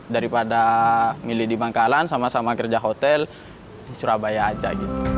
daripada milih di bangkalan sama sama kerja hotel di surabaya aja gitu